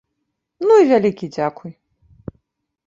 Ну, і вялікі дзякуй!